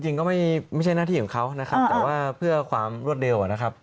จริงก็ไม่ใช่หน้าที่ของเขานะครับแต่ว่าเพื่อความรวดเร็วนะครับ